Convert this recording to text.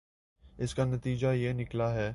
اس کا نتیجہ یہ نکلا ہے